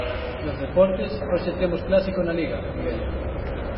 Nos deportes, hoxe temos clásico na Liga, Miguel.